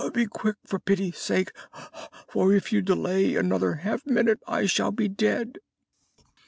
Be quick, for pity's sake, for if you delay another half minute I shall be dead."